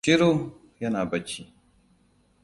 Shiru! Yana bacci.